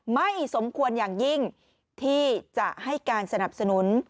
ไม่สมควรอย่างยิ่งที่จะให้การสนับสนุน